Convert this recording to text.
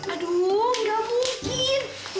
aduh gak mungkin